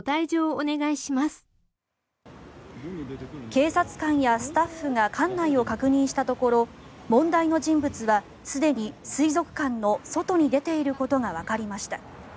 警察官やスタッフが館内を確認したところ問題の人物はすでに水族館の外に出ていることがわかりました。